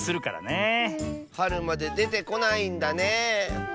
はるまででてこないんだねえ。